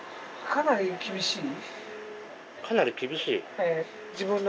かなり厳しい？